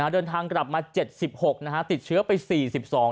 เดินทางกลับมา๗๖ติดเชื้อไป๔๒ราย